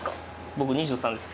僕、２３です。